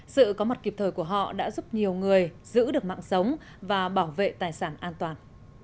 sự có mặt kịp thời của họ đã giúp nhiều người giữ được mạng sống và bảo vệ tài sản an toàn